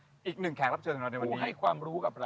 วัดสุทัศน์นี้จริงแล้วอยู่มากี่ปีตั้งแต่สมัยราชการไหนหรือยังไงครับ